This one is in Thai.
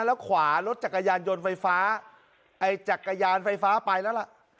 แล้วขวารถจักรยานยนต์ไฟฟ้าไอ้จักรยานไฟฟ้าไปแล้วล่ะ